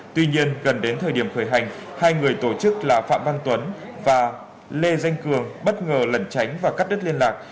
tuy nhiên gần đến thời điểm khởi hành hai người tổ chức là phạm văn tuấn và lê danh cường bất ngờ lẩn tránh và cắt đứt liên lạc